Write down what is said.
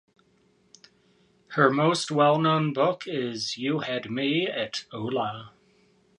Her most well known book is "You Had Me at Hola".